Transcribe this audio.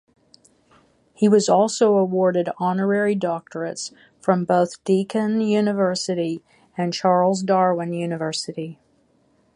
He was also awarded Honorary Doctorates from both Deakin University and Charles Darwin University.